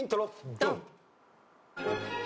ドン！